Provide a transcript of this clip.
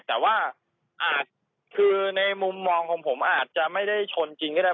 แต่ว่าอาจคือในมุมมองของผมอาจจะไม่ได้ชนจริงก็ได้